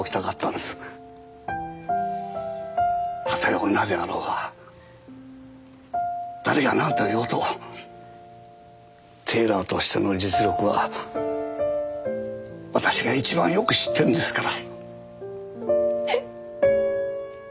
たとえ女であろうが誰がなんと言おうとテーラーとしての実力は私が一番よく知ってんですから。